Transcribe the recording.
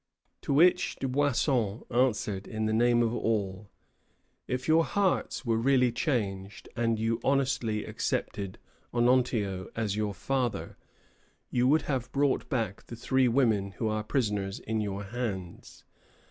To which Dubuisson answered in the name of all: "If your hearts were really changed, and you honestly accepted Onontio as your father, you would have brought back the three women who are prisoners in your hands.